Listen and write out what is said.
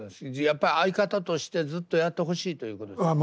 やっぱ相方としてずっとやってほしいということですか？